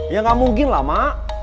ya gak mungkin lah mak